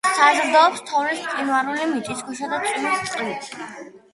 საზრდოობს თოვლის, მყინვარული, მიწისქვეშა და წვიმის წყლით.